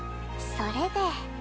それで。